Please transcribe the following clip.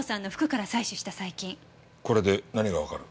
これで何がわかる？